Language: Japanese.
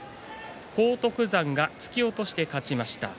荒篤山が突き落としで勝ちました。